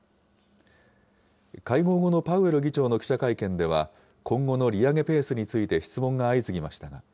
会合後のパウエル議長の記者会見では、今後の利上げペースについて質問が相次ぎました。